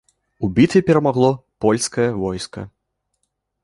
У бітве перамагло польскае войска.